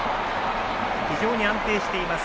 非常に安定しています。